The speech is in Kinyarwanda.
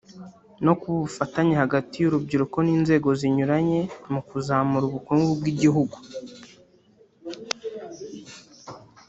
no kubaka ubufatanye hagati y’urubyiruko n’inzego zinyuranye mu kuzamura ubukungu bw’igihugu